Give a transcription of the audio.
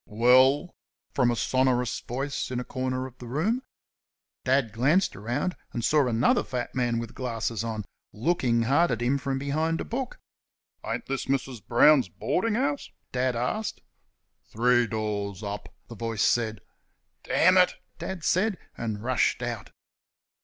"Well?" from a sonorous voice in a corner of the room. Dad glanced round, and saw another fat man with glasses on, looking hard at him from behind a book. "Ain't this Mrs. Brown's boarding house?" Dad asked. "Three doors up," the voice said. "Dammit!" Dad said, and rushed out.